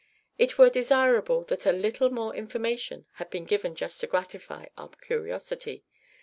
It were desirable that a little more information had been given just to gratify our curiosity.